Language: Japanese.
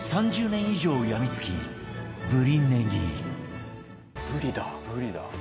３０年以上やみつきブリねぎブリだ。